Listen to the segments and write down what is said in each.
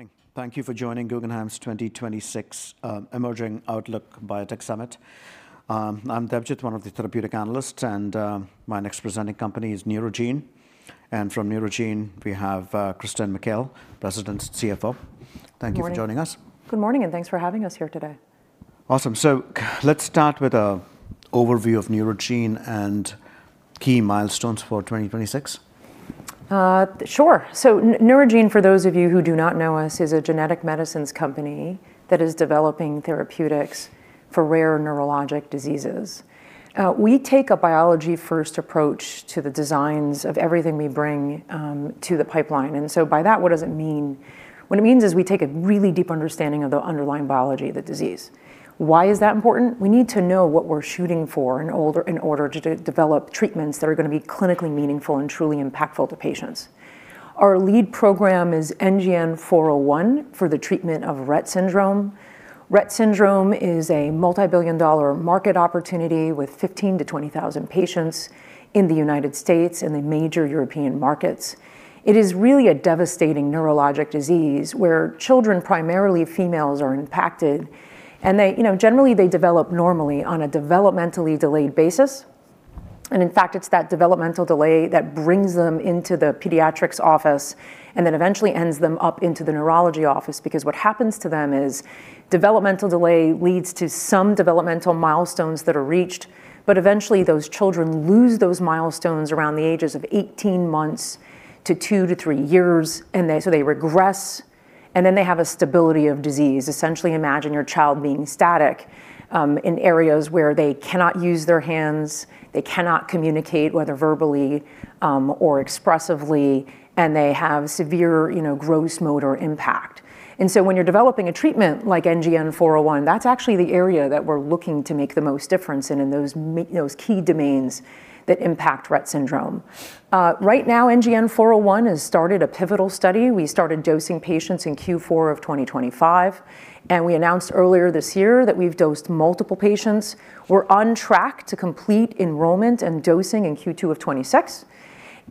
Morning. Thank you for joining Guggenheim's 2026 Emerging Outlook Biotech Summit. I'm Debjit, one of the therapeutic analysts, and my next presenting company is Neurogene. From Neurogene, we have Christine Mikail, President and CFO. Good morning. Thank you for joining us. Good morning, and thanks for having us here today. Awesome. So let's start with an overview of Neurogene and key milestones for 2026. Sure. So Neurogene, for those of you who do not know us, is a genetic medicines company that is developing therapeutics for rare neurologic diseases. We take a biology-first approach to the designs of everything we bring to the pipeline. And so by that, what does it mean? What it means is we take a really deep understanding of the underlying biology of the disease. Why is that important? We need to know what we're shooting for in order, in order to develop treatments that are gonna be clinically meaningful and truly impactful to patients. Our lead program is NGN-401 for the treatment of Rett syndrome. Rett syndrome is a multi-billion dollar market opportunity with 15-20 thousand patients in the United States and the major European markets. It is really a devastating neurologic disease, where children, primarily females, are impacted, and they... You know, generally, they develop normally on a developmentally delayed basis, and in fact, it's that developmental delay that brings them into the pediatrics office and then eventually ends them up into the neurology office. Because what happens to them is developmental delay leads to some developmental milestones that are reached, but eventually, those children lose those milestones around the ages of 18 months to 2-3 years, and they so they regress, and then they have a stability of disease. Essentially, imagine your child being static in areas where they cannot use their hands, they cannot communicate, whether verbally or expressively, and they have severe, you know, gross motor impact. And so, when you're developing a treatment like NGN-401, that's actually the area that we're looking to make the most difference in, in those those key domains that impact Rett syndrome. Right now, NGN-401 has started a pivotal study. We started dosing patients in Q4 of 2025, and we announced earlier this year that we've dosed multiple patients. We're on track to complete enrollment and dosing in Q2 of 2026.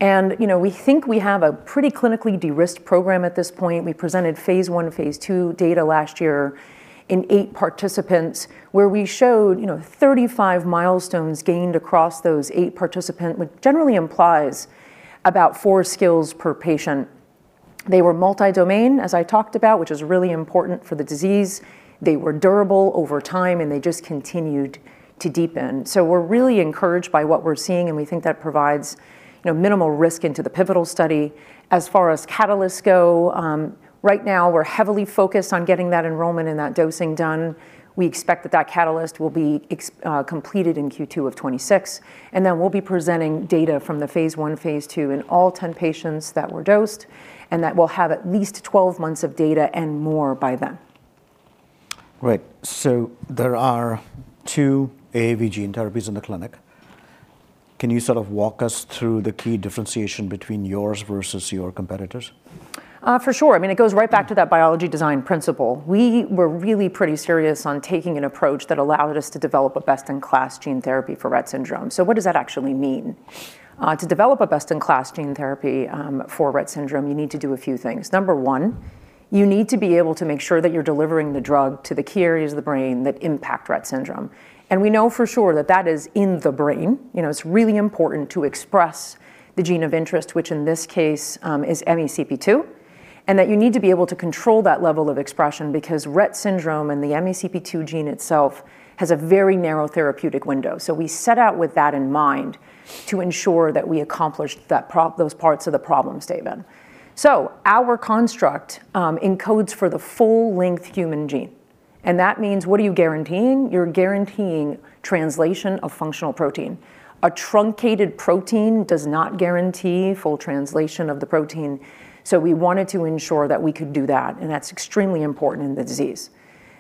And, you know, we think we have a pretty clinically de-risked program at this point. We presented phase I and phase II data last year in 8 participants, where we showed, you know, 35 milestones gained across those 8 participants, which generally implies about 4 skills per patient. They were multi-domain, as I talked about, which is really important for the disease. They were durable over time, and they just continued to deepen. So we're really encouraged by what we're seeing, and we think that provides, you know, minimal risk into the pivotal study. As far as catalysts go, right now we're heavily focused on getting that enrollment and that dosing done. We expect that that catalyst will be completed in Q2 of 2026, and then we'll be presenting data from the phase I, phase II in all 10 patients that were dosed, and that we'll have at least 12 months of data and more by then. Great. So there are two AAV gene therapies in the clinic. Can you sort of walk us through the key differentiation between yours versus your competitors? For sure. I mean, it goes right back to that biology design principle. We were really pretty serious on taking an approach that allowed us to develop a best-in-class gene therapy for Rett syndrome. So what does that actually mean? To develop a best-in-class gene therapy for Rett syndrome, you need to do a few things. Number one, you need to be able to make sure that you're delivering the drug to the key areas of the brain that impact Rett syndrome, and we know for sure that that is in the brain. You know, it's really important to express the gene of interest, which in this case is MECP2, and that you need to be able to control that level of expression because Rett syndrome and the MECP2 gene itself has a very narrow therapeutic window. So we set out with that in mind to ensure that we accomplished those parts of the problem statement. So our construct encodes for the full-length human gene, and that means: what are you guaranteeing? You're guaranteeing translation of functional protein. A truncated protein does not guarantee full translation of the protein, so we wanted to ensure that we could do that, and that's extremely important in the disease.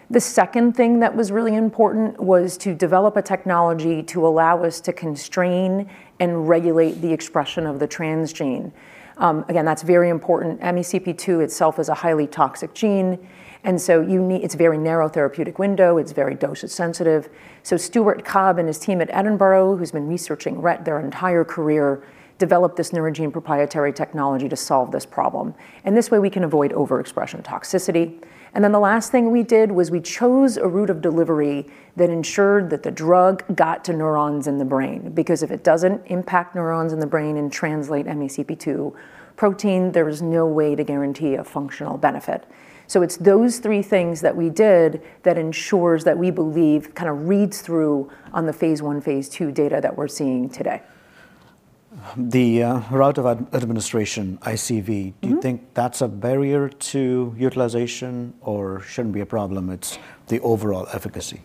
The second thing that was really important was to develop a technology to allow us to constrain and regulate the expression of the transgene. Again, that's very important. MECP2 itself is a highly toxic gene, and so it's a very narrow therapeutic window. It's very dosage sensitive. So Stuart Cobb and his team at Edinburgh, who's been researching Rett their entire career, developed this Neurogene proprietary technology to solve this problem, and this way, we can avoid overexpression toxicity. Then the last thing we did was we chose a route of delivery that ensured that the drug got to neurons in the brain, because if it doesn't impact neurons in the brain and translate MECP2 protein, there is no way to guarantee a functional benefit. It's those three things that we did that ensures that we believe kind of reads through on the phase I, phase II data that we're seeing today. The route of administration, ICV. Mm-hmm. Do you think that's a barrier to utilization or shouldn't be a problem, it's the overall efficacy?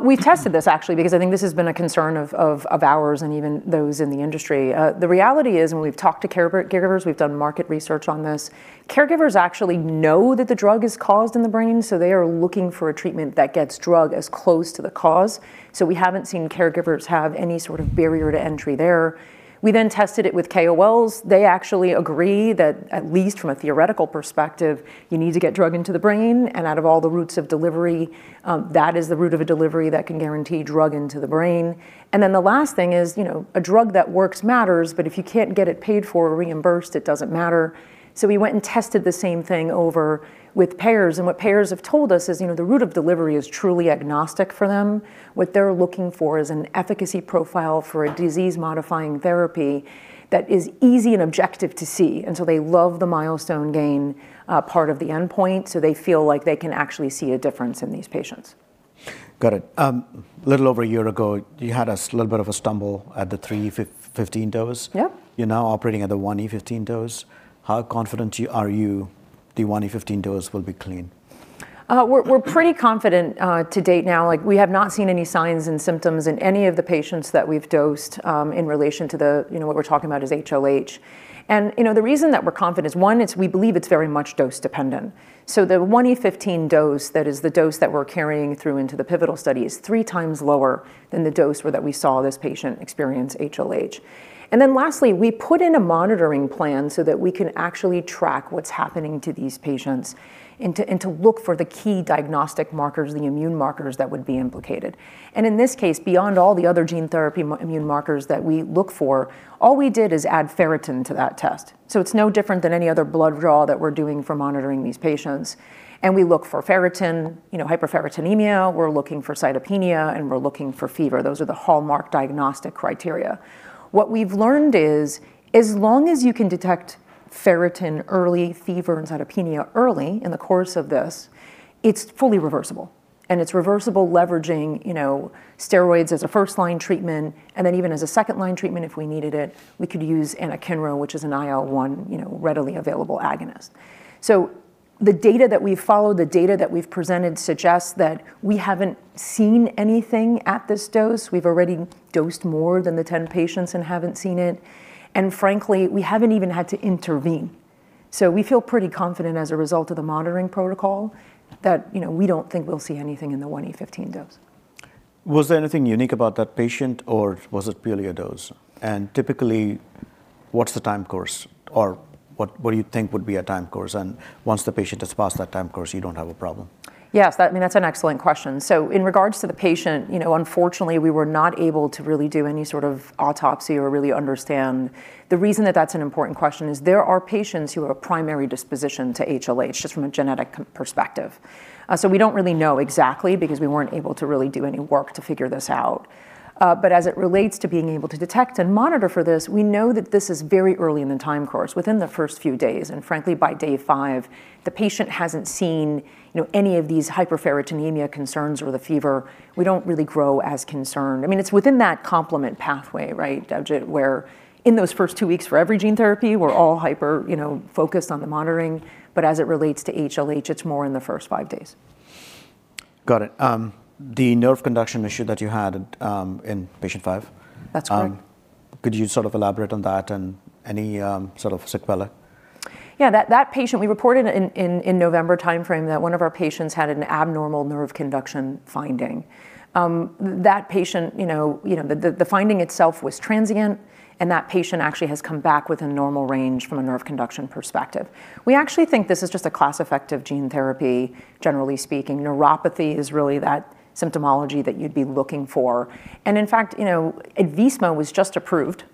We tested this actually, because I think this has been a concern of ours and even those in the industry. The reality is, when we've talked to caregivers, we've done market research on this, caregivers actually know that the cause is in the brain, so they are looking for a treatment that gets drug as close to the cause. So we haven't seen caregivers have any sort of barrier to entry there. We then tested it with KOLs. They actually agree that, at least from a theoretical perspective, you need to get drug into the brain, and out of all the routes of delivery, that is the route of delivery that can guarantee drug into the brain. Then the last thing is, you know, a drug that works matters, but if you can't get it paid for or reimbursed, it doesn't matter. We went and tested the same thing over with payers, and what payers have told us is, you know, the route of delivery is truly agnostic for them. What they're looking for is an efficacy profile for a disease-modifying therapy that is easy and objective to see, and so they love the milestone gain, part of the endpoint, so they feel like they can actually see a difference in these patients.... Got it. A little over a year ago, you had a little bit of a stumble at the 3E15 dose. Yep. You're now operating at the 1E15 dose. How confident are you the 1E15 dose will be clean? We're pretty confident to date now. Like, we have not seen any signs and symptoms in any of the patients that we've dosed in relation to the, you know, what we're talking about is HLH. And, you know, the reason that we're confident is, one, we believe it's very much dose dependent. So the 1E15 dose, that is the dose that we're carrying through into the pivotal study, is 3 times lower than the dose where we saw this patient experience HLH. And then lastly, we put in a monitoring plan so that we can actually track what's happening to these patients and to look for the key diagnostic markers, the immune markers that would be implicated. In this case, beyond all the other gene therapy more immune markers that we look for, all we did is add ferritin to that test. So it's no different than any other blood draw that we're doing for monitoring these patients. And we look for ferritin, you know, hyperferritinemia, we're looking for cytopenia, and we're looking for fever. Those are the hallmark diagnostic criteria. What we've learned is, as long as you can detect ferritin early, fever and cytopenia early in the course of this, it's fully reversible, and it's reversible leveraging, you know, steroids as a first-line treatment, and then even as a second-line treatment, if we needed it, we could use anakinra, which is an IL-1, you know, readily available agonist. So the data that we've followed, the data that we've presented suggests that we haven't seen anything at this dose. We've already dosed more than the 10 patients and haven't seen it, and frankly, we haven't even had to intervene. So we feel pretty confident as a result of the monitoring protocol, that, you know, we don't think we'll see anything in the 1E15 dose. Was there anything unique about that patient or was it purely a dose? Typically, what's the time course, or what, what do you think would be a time course, and once the patient has passed that time course, you don't have a problem? Yes, that, I mean, that's an excellent question. So in regards to the patient, you know, unfortunately, we were not able to really do any sort of autopsy or really understand. The reason that that's an important question is there are patients who have a primary disposition to HLH, just from a genetic perspective. So we don't really know exactly, because we weren't able to really do any work to figure this out. But as it relates to being able to detect and monitor for this, we know that this is very early in the time course, within the first few days, and frankly, by day five, the patient hasn't seen, you know, any of these hyperferritinemia concerns or the fever. We don't really grow as concerned. I mean, it's within that complement pathway, right, Debjit, where in those first two weeks for every gene therapy, we're all hyper, you know, focused on the monitoring, but as it relates to HLH, it's more in the first five days. Got it. The nerve conduction issue that you had, in patient five- That's correct. Could you sort of elaborate on that and any sort of sequela? Yeah, that patient we reported in November timeframe, that one of our patients had an abnormal nerve conduction finding. That patient, you know, the finding itself was transient, and that patient actually has come back with a normal range from a nerve conduction perspective. We actually think this is just a class effect of gene therapy, generally speaking. Neuropathy is really that symptomology that you'd be looking for. And in fact, you know, an IT was just approved,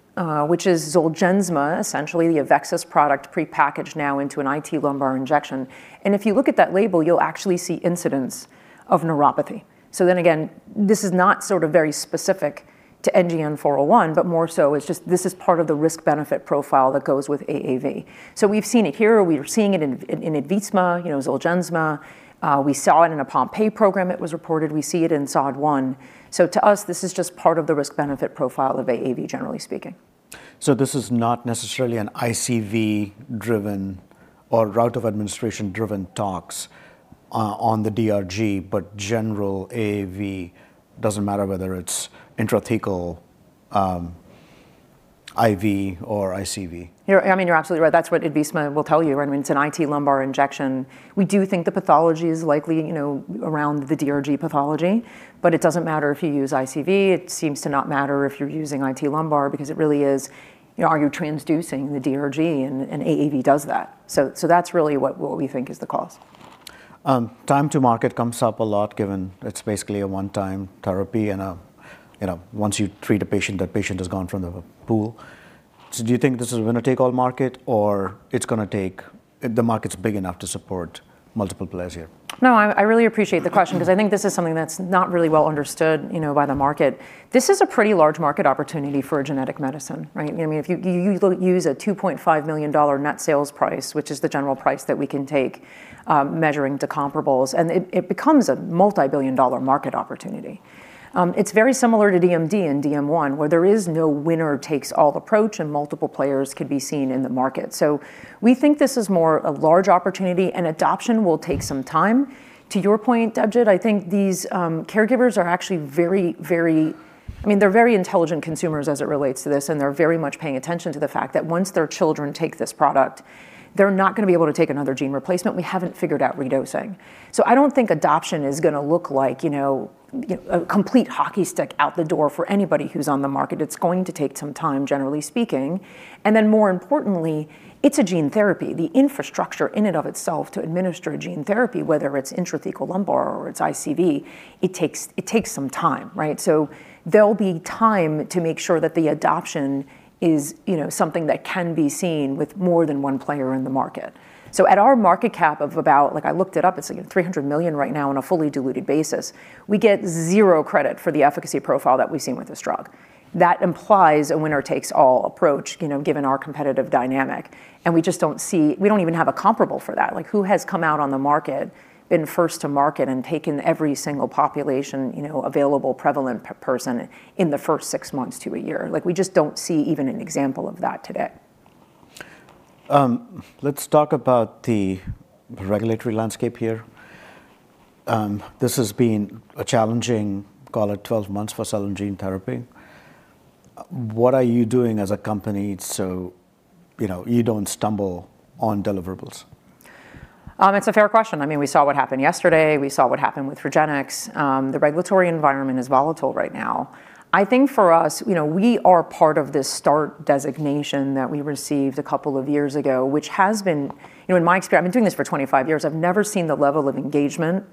which is Zolgensma, essentially the AveXis product, prepackaged now into an IT lumbar injection. And if you look at that label, you'll actually see incidents of neuropathy. So then again, this is not sort of very specific to NGN-401, but more so, it's just this is part of the risk-benefit profile that goes with AAV. So we've seen it here, or we're seeing it in, in an IT, you know, Zolgensma. We saw it in a Pompe program, it was reported. We see it in SOD1. So to us, this is just part of the risk-benefit profile of AAV, generally speaking. So this is not necessarily an ICV-driven or route of administration-driven talks on the DRG, but general AAV, doesn't matter whether it's intrathecal, IV or ICV. You're, I mean, you're absolutely right. That's what an IT will tell you. I mean, it's an IT lumbar injection. We do think the pathology is likely, you know, around the DRG pathology, but it doesn't matter if you use ICV. It seems to not matter if you're using IT lumbar, because it really is, you know, are you transducing the DRG? And AAV does that. So that's really what we think is the cause. Time to market comes up a lot, given it's basically a one-time therapy, and, you know, once you treat a patient, that patient has gone from the pool. So do you think this is gonna take all market, or it's gonna take-- the market's big enough to support multiple players here? No, I really appreciate the question, 'cause I think this is something that's not really well understood, you know, by the market. This is a pretty large market opportunity for a genetic medicine, right? I mean, if you use a $2.5 million net sales price, which is the general price that we can take, measuring to comparables, and it becomes a multibillion-dollar market opportunity. It's very similar to DMD and DM1, where there is no winner-takes-all approach, and multiple players could be seen in the market. So we think this is more a large opportunity, and adoption will take some time. To your point, Debjit, I think these caregivers are actually very, very... I mean, they're very intelligent consumers as it relates to this, and they're very much paying attention to the fact that once their children take this product, they're not gonna be able to take another gene replacement. We haven't figured out redosing. So I don't think adoption is gonna look like, you know, a complete hockey stick out the door for anybody who's on the market. It's going to take some time, generally speaking. And then more importantly, it's a gene therapy. The infrastructure in and of itself to administer a gene therapy, whether it's intrathecal lumbar or it's ICV, it takes, it takes some time, right? So there'll be time to make sure that the adoption is, you know, something that can be seen with more than one player in the market. So at our market cap of about, like, I looked it up, it's like $300 million right now on a fully diluted basis, we get zero credit for the efficacy profile that we've seen with this drug. That implies a winner-takes-all approach, you know, given our competitive dynamic, and we just don't see. We don't even have a comparable for that. Like, who has come out on the market, been first to market, and taken every single population, you know, available, prevalent person in the first six months to a year? Like, we just don't see even an example of that today. Let's talk about the regulatory landscape here. This has been a challenging, call it, 12 months for cell and gene therapy. What are you doing as a company so, you know, you don't stumble on deliverables? It's a fair question. I mean, we saw what happened yesterday. We saw what happened with REGENXBIO. The regulatory environment is volatile right now. I think for us, you know, we are part of this START designation that we received a couple of years ago, which has been... You know, in my experience, I've been doing this for 25 years, I've never seen the level of engagement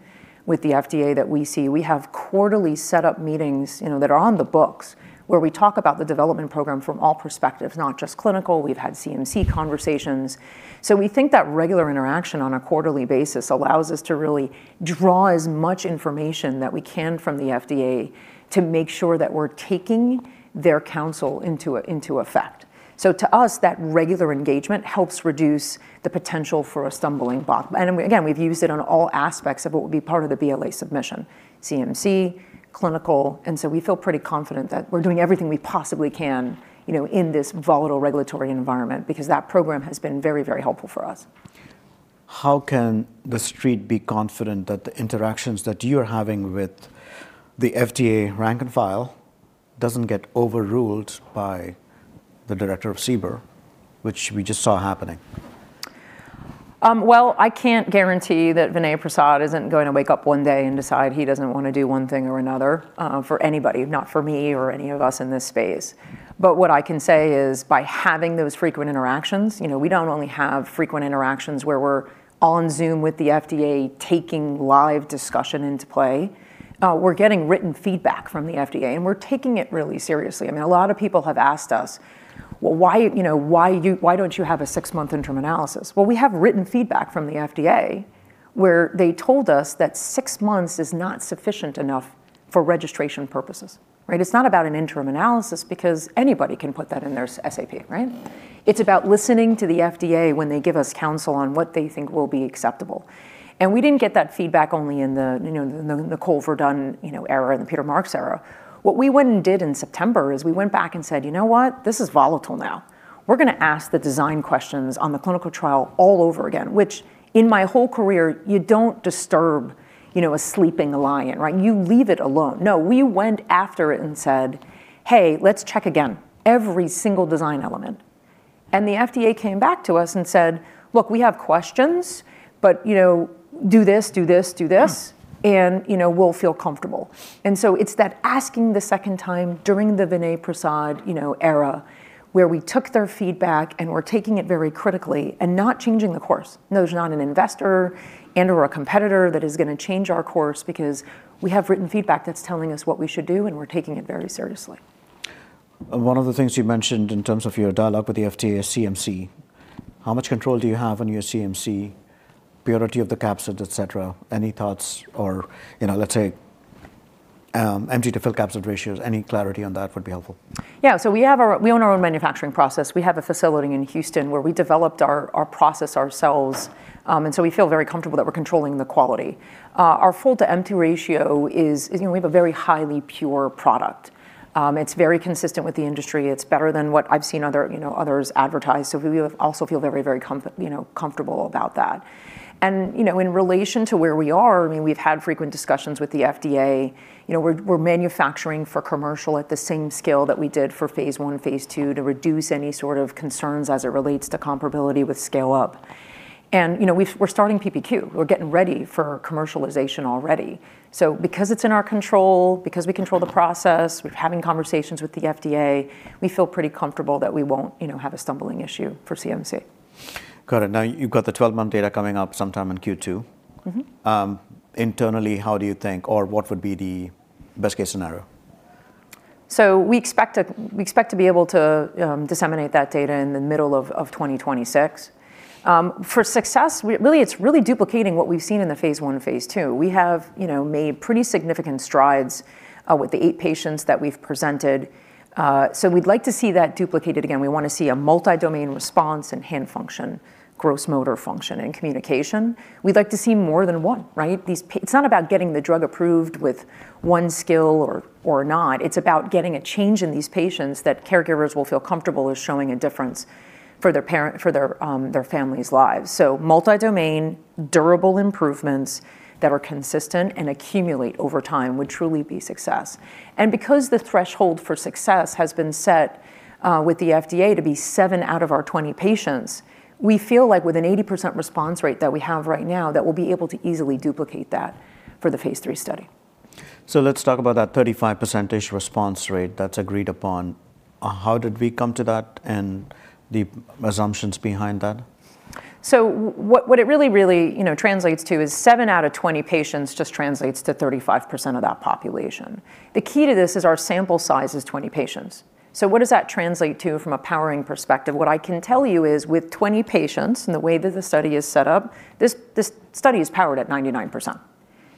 with the FDA that we see. We have quarterly set-up meetings, you know, that are on the books, where we talk about the development program from all perspectives, not just clinical. We've had CMC conversations. So we think that regular interaction on a quarterly basis allows us to really draw as much information that we can from the FDA to make sure that we're taking their counsel into effect. So to us, that regular engagement helps reduce the potential for a stumbling block. And we, again, we've used it on all aspects of what would be part of the BLA submission, CMC, clinical, and so we feel pretty confident that we're doing everything we possibly can, you know, in this volatile regulatory environment, because that program has been very, very helpful for us. How can the Street be confident that the interactions that you're having with the FDA rank and file doesn't get overruled by the director of CBER, which we just saw happening? Well, I can't guarantee that Vinay Prasad isn't going to wake up one day and decide he doesn't want to do one thing or another, for anybody, not for me or any of us in this space. But what I can say is, by having those frequent interactions, you know, we don't only have frequent interactions where we're on Zoom with the FDA, taking live discussion into play, we're getting written feedback from the FDA, and we're taking it really seriously. I mean, a lot of people have asked us: "Well, why, you know, why you-- why don't you have a 6-month interim analysis?" Well, we have written feedback from the FDA, where they told us that 6 months is not sufficient enough for registration purposes, right? It's not about an interim analysis, because anybody can put that in their SAP, right? It's about listening to the FDA when they give us counsel on what they think will be acceptable. We didn't get that feedback only in the, you know, the Nicole Verdun, you know, era, and the Peter Marks era. What we went and did in September is we went back and said, "You know what? This is volatile now. We're gonna ask the design questions on the clinical trial all over again," which, in my whole career, you don't disturb, you know, a sleeping lion, right? You leave it alone. No, we went after it and said, "Hey, let's check again every single design element." The FDA came back to us and said, "Look, we have questions, but, you know, do this, do this, do this- Hmm. - and, you know, we'll feel comfortable." And so it's that asking the second time during the Vinay Prasad, you know, era, where we took their feedback, and we're taking it very critically and not changing the course. No, there's not an investor and/or a competitor that is gonna change our course, because we have written feedback that's telling us what we should do, and we're taking it very seriously. One of the things you mentioned in terms of your dialogue with the FDA is CMC. How much control do you have on your CMC, purity of the capsids, et cetera? Any thoughts or, you know, let's say, empty-to-full capsid ratios, any clarity on that would be helpful. Yeah, so we have our own manufacturing process. We have a facility in Houston, where we developed our process ourselves, and so we feel very comfortable that we're controlling the quality. Our full to empty ratio is, you know, we have a very highly pure product. It's very consistent with the industry. It's better than what I've seen other, you know, others advertise, so we also feel very, very comfortable about that. And, you know, in relation to where we are, I mean, we've had frequent discussions with the FDA. You know, we're manufacturing for commercial at the same scale that we did for phase I and phase II to reduce any sort of concerns as it relates to comparability with scale up. And, you know, we're starting PPQ, we're getting ready for commercialization already. Because it's in our control, because we control the process, we're having conversations with the FDA, we feel pretty comfortable that we won't, you know, have a stumbling issue for CMC. Got it. Now, you've got the 12-month data coming up sometime in Q2. Mm-hmm. Internally, how do you think, or what would be the best case scenario? So we expect to be able to disseminate that data in the middle of 2026. For success, really, it's really duplicating what we've seen in the phase 1 and phase 2. We have, you know, made pretty significant strides with the 8 patients that we've presented. So we'd like to see that duplicated again. We want to see a multi-domain response and hand function, gross motor function, and communication. We'd like to see more than one, right? These patients. It's not about getting the drug approved with one skill or not. It's about getting a change in these patients that caregivers will feel comfortable is showing a difference for their parents, for their families' lives. So multi-domain, durable improvements that are consistent and accumulate over time would truly be success. Because the threshold for success has been set with the FDA to be seven out of our 20 patients, we feel like with an 80% response rate that we have right now, that we'll be able to easily duplicate that for the phase III study. So let's talk about that 35% response rate that's agreed upon. How did we come to that and the assumptions behind that? So what it really, really, you know, translates to is seven out of 20 patients just translates to 35% of that population. The key to this is our sample size is 20 patients. So what does that translate to from a powering perspective? What I can tell you is, with 20 patients, and the way that the study is set up, this, this study is powered at 99%....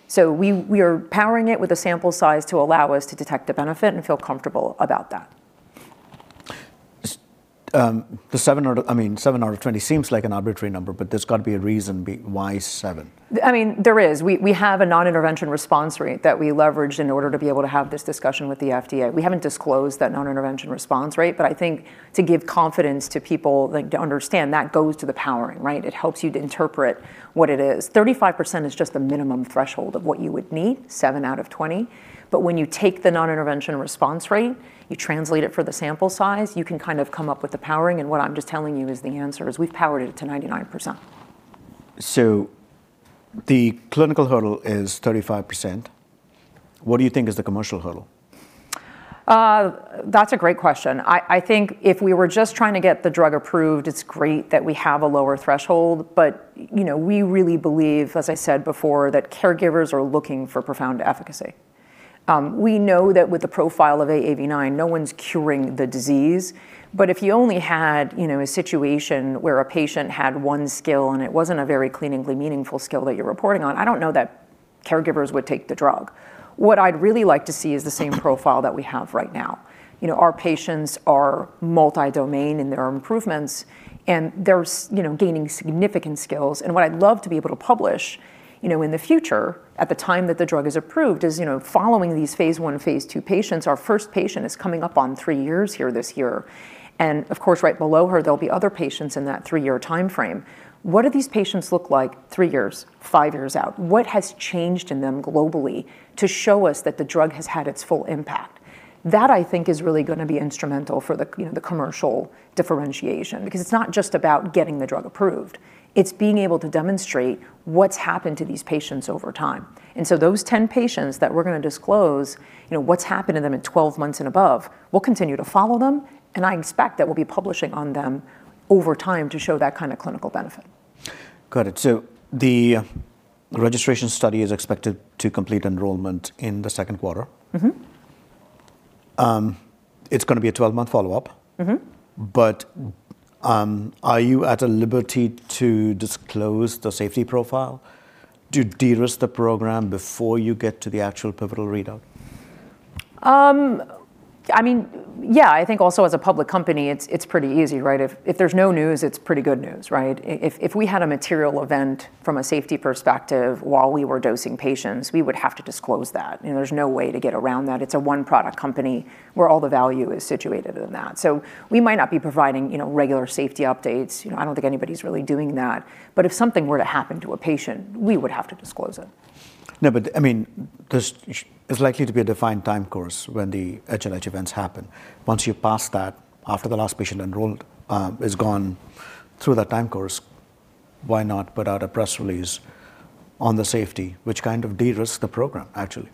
so we, we are powering it with a sample size to allow us to detect a benefit and feel comfortable about that. The seven out of, I mean, seven out of 20 seems like an arbitrary number, but there's got to be a reason why seven? I mean, there is. We have a non-intervention response rate that we leveraged in order to be able to have this discussion with the FDA. We haven't disclosed that non-intervention response rate, but I think to give confidence to people, like, to understand, that goes to the powering, right? It helps you to interpret what it is. 35% is just the minimum threshold of what you would need, seven out of 20, but when you take the non-intervention response rate, you translate it for the sample size, you can kind of come up with the powering, and what I'm just telling you is the answer is we've powered it to 99%. So the clinical hurdle is 35%. What do you think is the commercial hurdle? That's a great question. I think if we were just trying to get the drug approved, it's great that we have a lower threshold, but, you know, we really believe, as I said before, that caregivers are looking for profound efficacy. We know that with the profile of AAV9, no one's curing the disease, but if you only had, you know, a situation where a patient had one skill, and it wasn't a very clinically meaningful skill that you're reporting on, I don't know that caregivers would take the drug. What I'd really like to see is the same profile that we have right now. You know, our patients are multi-domain in their improvements, and they're, you know, gaining significant skills, and what I'd love to be able to publish, you know, in the future, at the time that the drug is approved, is, you know, following these phase 1 and phase 2 patients. Our first patient is coming up on three years here this year, and of course, right below her, there'll be other patients in that three-year timeframe. What do these patients look like three years, five years out? What has changed in them globally to show us that the drug has had its full impact? That, I think, is really gonna be instrumental for the, you know, the commercial differentiation, because it's not just about getting the drug approved, it's being able to demonstrate what's happened to these patients over time. And so, those 10 patients that we're gonna disclose, you know, what's happened to them in 12 months and above, we'll continue to follow them, and I expect that we'll be publishing on them over time to show that kind of clinical benefit. Got it. The registration study is expected to complete enrollment in the second quarter. Mm-hmm. It's gonna be a 12-month follow-up. Mm-hmm. But, are you at a liberty to disclose the safety profile, to de-risk the program before you get to the actual pivotal readout? I mean, yeah, I think also as a public company, it's pretty easy, right? If there's no news, it's pretty good news, right? If we had a material event from a safety perspective while we were dosing patients, we would have to disclose that. You know, there's no way to get around that. It's a one-product company where all the value is situated in that. So we might not be providing, you know, regular safety updates. You know, I don't think anybody's really doing that. But if something were to happen to a patient, we would have to disclose it. No, but, I mean, there's likely to be a defined time course when the HLH events happen. Once you've passed that, after the last patient enrolled has gone through that time course, why not put out a press release on the safety, which kind of de-risks the program, actually?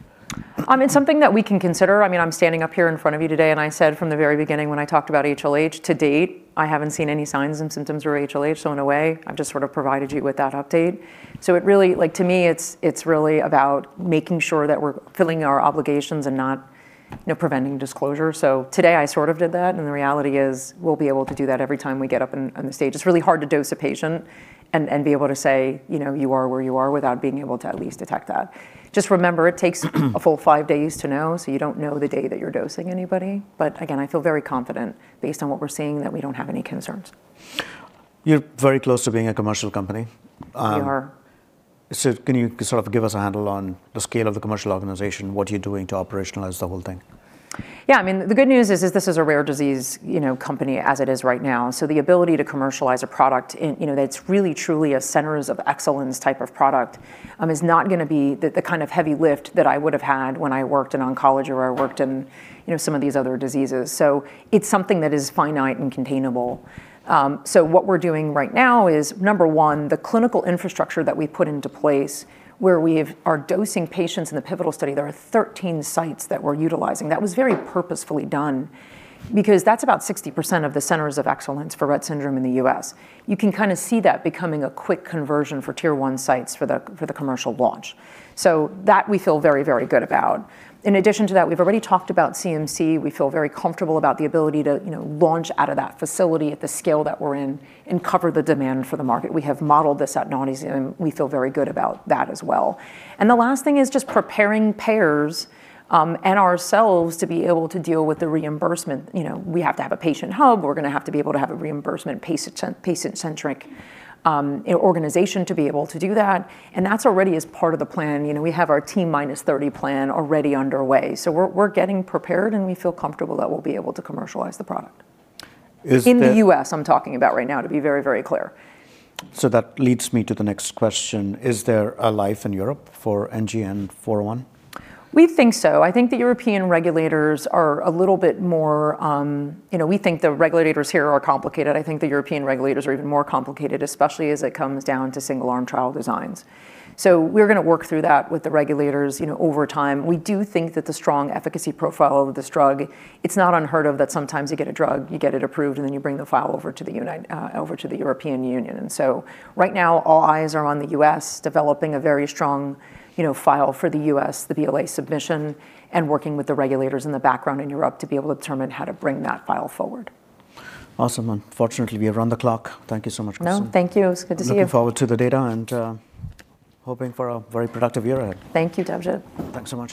It's something that we can consider. I mean, I'm standing up here in front of you today, and I said from the very beginning when I talked about HLH, to date, I haven't seen any signs and symptoms of HLH, so in a way, I've just sort of provided you with that update. So it really, like, to me, it's really about making sure that we're filling our obligations and not, you know, preventing disclosure. So today, I sort of did that, and the reality is, we'll be able to do that every time we get up on the stage. It's really hard to dose a patient and be able to say, "You know, you are where you are," without being able to at least detect that. Just remember, it takes a full 5 days to know, so you don't know the day that you're dosing anybody. But again, I feel very confident, based on what we're seeing, that we don't have any concerns. You're very close to being a commercial company. We are. Can you sort of give us a handle on the scale of the commercial organization? What are you doing to operationalize the whole thing? Yeah, I mean, the good news is this is a rare disease, you know, company as it is right now, so the ability to commercialize a product in... You know, that's really, truly a centers of excellence type of product, is not gonna be the, the kind of heavy lift that I would have had when I worked in oncology or I worked in, you know, some of these other diseases. So it's something that is finite and containable. So what we're doing right now is, number one, the clinical infrastructure that we've put into place, where we are dosing patients in the pivotal study, there are 13 sites that we're utilizing. That was very purposefully done because that's about 60% of the centers of excellence for Rett syndrome in the U.S. You can kinda see that becoming a quick conversion for Tier One sites for the commercial launch. So that we feel very, very good about. In addition to that, we've already talked about CMC. We feel very comfortable about the ability to, you know, launch out of that facility at the scale that we're in and cover the demand for the market. We have modeled this at NGN, and we feel very good about that as well. And the last thing is just preparing payers, and ourselves to be able to deal with the reimbursement. You know, we have to have a patient hub. We're gonna have to be able to have a reimbursement, patient-cent, patient-centric, organization to be able to do that, and that's already is part of the plan. You know, we have our T-minus 30 plan already underway, so we're getting prepared, and we feel comfortable that we'll be able to commercialize the product. Is there- In the U.S., I'm talking about right now, to be very, very clear. So that leads me to the next question: Is there a life in Europe for NGN-401? We think so. I think the European regulators are a little bit more. You know, we think the regulators here are complicated. I think the European regulators are even more complicated, especially as it comes down to single-arm trial designs. So we're gonna work through that with the regulators, you know, over time. We do think that the strong efficacy profile of this drug, it's not unheard of that sometimes you get a drug, you get it approved, and then you bring the file over to the European Union. And so right now, all eyes are on the U.S., developing a very strong, you know, file for the U.S., the BLA submission, and working with the regulators in the background in Europe to be able to determine how to bring that file forward. Awesome, and unfortunately, we have run the clock. Thank you so much, Christine. No, thank you. It's good to see you. Looking forward to the data, and hoping for a very productive year ahead. Thank you, Debjit. Thanks so much.